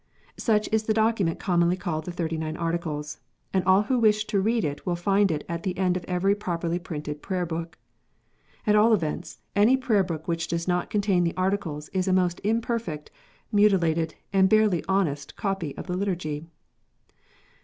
Such is the document commonly called the Thirty nine Articles ; and all who wish to read it will find it at the end of every properly printed Prayer book. At all events, any Prayer book which does not contain the Articles is a most imperfect, mutilated, and barely honest copy of the Liturgy.